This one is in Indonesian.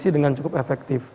dengan cukup efektif